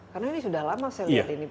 karena ini sudah lama saya lihat ini